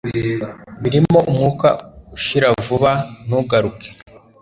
barimo umwuka ushira vuba, ntugaruke